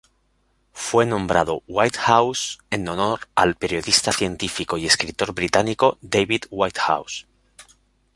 Fue nombrado Whitehouse en honor al periodista científico y escritor británico David Whitehouse.